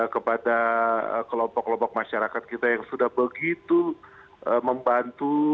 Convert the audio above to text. kepada kelompok kelompok masyarakat kita yang sudah begitu membantu